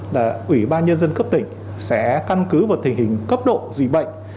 là ủy ban nhân dân cấp tỉnh sẽ căn cứ vào tình hình cấp độ dùy bệnh